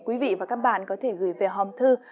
quý vị và các bạn có thể gửi về hòm thư